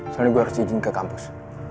soalnya gue harus izin ke kampus